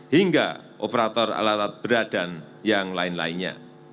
hingga operator alat alat berat dan yang lain lainnya